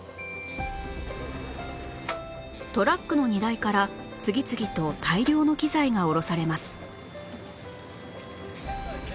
トラックの荷台から次々と大量の機材が下ろされます